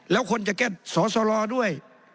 แล้วคนจะแก้สอสรด้วย